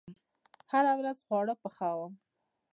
هره ورځ خواړه پخوم